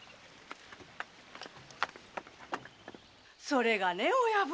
それがね親分。